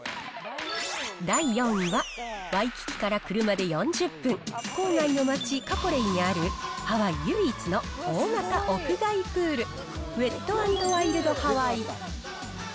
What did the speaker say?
第４位は、ワイキキから車で４０分、郊外の街、カポレイにあるハワイ唯一の大型屋外プール、ウェット＆ワイルドハワイ。